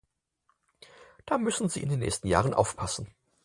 Da müssen Sie in den nächsten Jahren aufpassen.